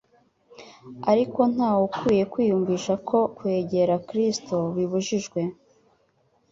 Ariko ntawe ukwiriye kwiyumvisha ko kwegera Kristo bibujijwe.